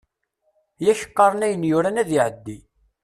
Yak qqaren ayen yuran ad iɛeddi.